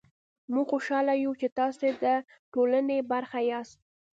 موژ خوشحاله يو چې تاسې ده ټولني برخه ياست